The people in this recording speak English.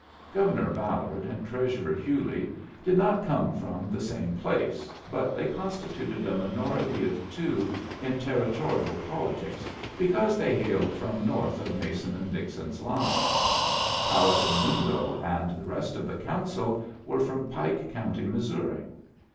Governor Ballard and Treasurer Hewley did not come from the same place, but they constituted a minority of two in Territorial politics because they hailed from north of Mason and Dixon's line. Powhattan Wingo and the rest of the Council were from Pike County, Missouri.